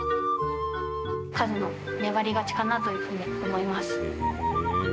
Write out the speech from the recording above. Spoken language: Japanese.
和の粘り勝ちかなというふうに思います。